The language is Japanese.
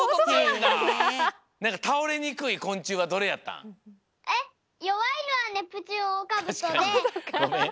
なんかたおれにくいこんちゅうはどれやったん？